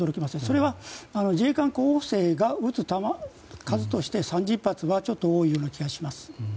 それは、自衛官候補生が撃つ数として３０発はちょっと多いような気がします。